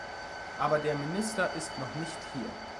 Aber der Minister ist noch nicht hier.